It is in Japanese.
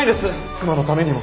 妻のためにも。